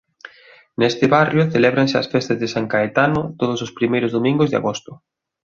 Nesta barrio celébranse as Festas de San Caetano todos os primeiros domingos de agosto.